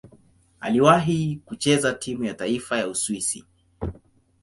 Aliwahi kucheza timu ya taifa ya Uswisi.